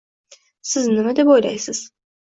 Siz nima deb o'ylaysiz?